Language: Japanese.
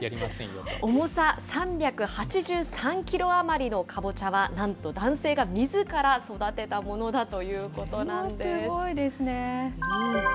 重さ３８３キロ余りのかぼちゃはなんと、男性がみずから育てたものだということなんです。